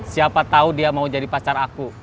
siapa tahu dia mau jadi pacar aku